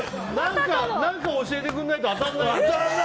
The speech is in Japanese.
何か教えてくれないと当たらないよ。